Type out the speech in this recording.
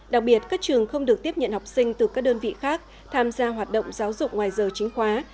đặc biệt các trường không được tiếp nhận học sinh từ các đơn vị khác tham gia hoạt động giáo dục ngoài giờ chính khóa